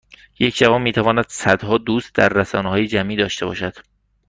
یک جوان میتواند صدها دوست در رسانههای جمعی داشته باشد